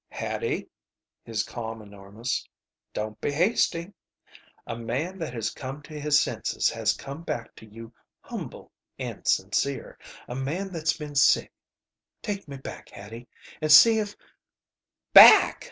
"Hattie," his calm enormous, "don't be hasty. A man that has come to his senses has come back to you humble and sincere. A man that's been sick. Take me back, Hattie, and see if " "Back!"